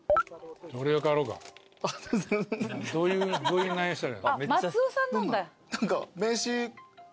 どういう内容にしたら。